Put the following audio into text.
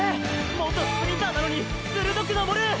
元スプリンターなのに鋭く登る！！